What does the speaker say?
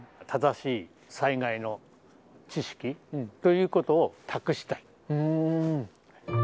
正しい災害の知識ということを託したい。